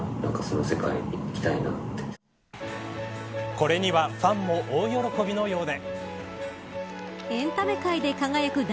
これにはファンも大喜びのようで。